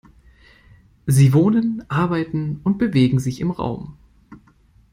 Sie wohnen, arbeiten und bewegen sich im Raum.